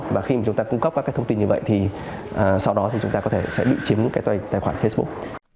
và khi chúng ta cung cấp các thông tin như vậy thì sau đó chúng ta có thể sẽ bị chiếm tài khoản facebook